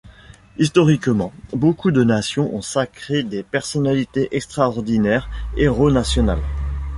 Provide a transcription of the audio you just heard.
Historiquement, beaucoup de nations ont sacré des personnalités extraordinaires héros national.